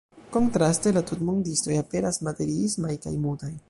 Kontraste, la tutmondistoj aperas materiismaj kaj mutaj.